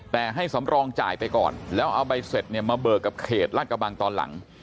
แต่ให้สำรองจ่ายไปก่อนแล้วเอาใบเสร็จเนี่ยมาเบิกกับเขตลาดกระบังตอนหลัง